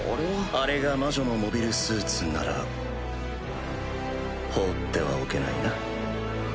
あれが魔女のモビルスーツなら放ってはおけないな。